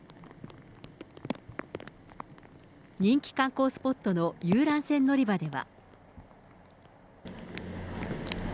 人気観光スポットの遊覧船乗り場では。